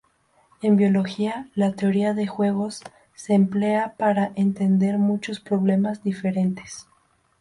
En biología, la teoría de juegos se emplea para entender muchos problemas diferentes.